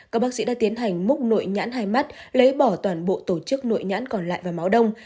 các bác sĩ đã tiến hành múc nội nhãn hai mắt lấy bỏ toàn bộ tổ chức nội nhãn còn lại và máu đông